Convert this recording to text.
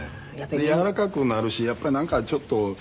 軟らかくなるしやっぱりなんかちょっと。